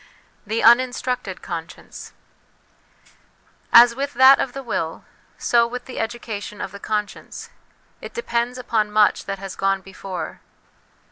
The Uninstructed Conscience. As with that of the will, so with the education of the conscience ; it depends upon much that has gone before.